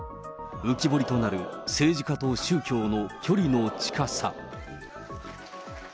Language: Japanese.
浮き彫りとなる政治家と宗教の距離の近さ。